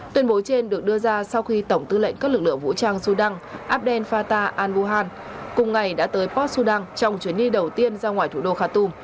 tuyên bố trên được đưa ra sau khi tổng tư lệnh các lực lượng vũ trang sudan abdel fatah al buhan cùng ngày đã tới port sudan trong chuyến đi đầu tiên ra ngoài thủ đô khatum